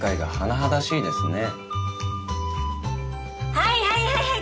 はいはいはいはい！